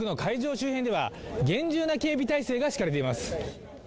周辺では厳重な警備体制が敷かれています。